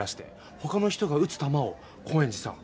他の人が打つ球を高円寺さん